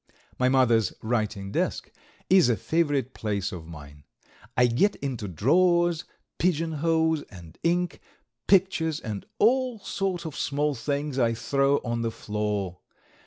My mother's writing desk is a favorite place of mine. I get into drawers, pigeon holes and ink; pictures and all sorts of small things I throw on the floor.